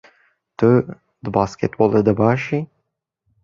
Tu di basketbolê de baş î?